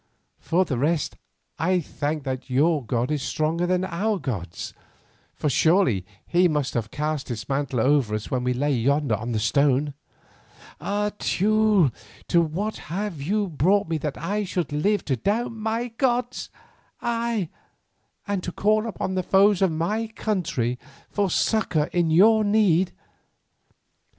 For the rest I think that your God is stronger than our gods, for surely He must have cast His mantle over us when we lay yonder on the stone. Ah! Teule, to what have you brought me that I should live to doubt my gods, ay, and to call upon the foes of my country for succour in your need.